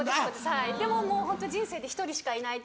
はいでももうホント人生で１人しかいないって言って。